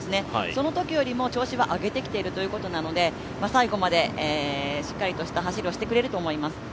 そのときよりも調子は上げてきているということなので、最後までしっかりとした走りをしてくれると思います。